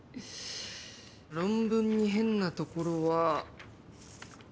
論文に変なところは。